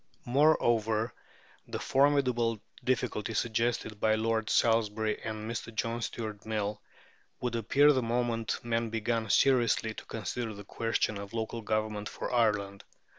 Moreover, the formidable difficulty suggested by Lord Salisbury and Mr. John Stuart Mill (see pp. 115, 116) would appear the moment men began seriously to consider the question of local government for Ireland.